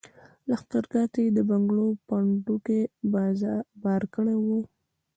لښګرګاه ته یې د بنګړو پنډوکي بار کړي وو.